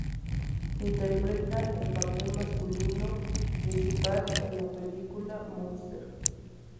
Interpreta el papel masculino principal en la película "Monsters".